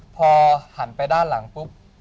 พอหันไปด้านหลังปุ๊บ